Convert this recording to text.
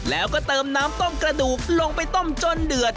แล้วก็เติมน้ำต้มกระดูกลงไปต้มจนเดือด